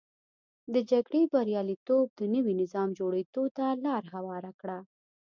د جګړې بریالیتوب د نوي نظام جوړېدو ته لار هواره کړه.